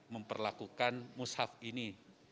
memperlakukan mushaf ini